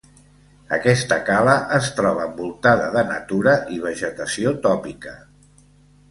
Aquesta cala es troba envoltada de natura i vegetació tòpica.